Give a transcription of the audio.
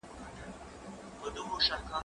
زه اجازه لرم چي کتابتون ته ولاړ سم؟!